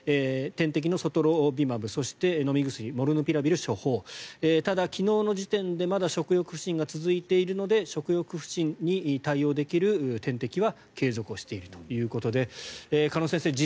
点滴のソトロビマブそして飲み薬モルヌピラビル処方ただ、昨日の時点でまだ食欲不振が続いているので食欲不振に対応できる点滴は継続しているということで鹿野先生